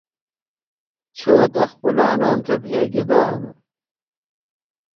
چھوت اخپُلانوم تھےۡ بھیگیۡ دانوۡ۔